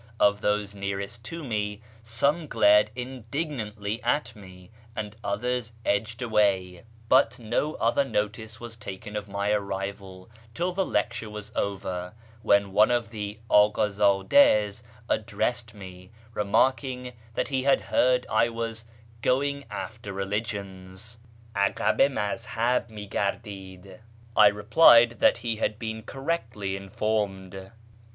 Of those nearest to me, some glared indignantly at me and others edged away, but no other notice was taken of my arrival till the lecture was over, when one of the Akd zMas addressed me, remarking that he had heard I was "going after religions" ( akah i maz hah mi gardid). I replied that he had been correctly informed.